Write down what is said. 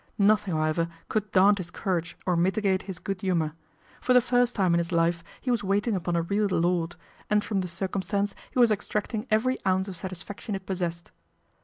Nothing, however, could daunt his courage or mitigate his good humour. For the first time in his life he was waiting upon a real lord, and from the circum stance he was extracting every ounce of satis faction it possessed.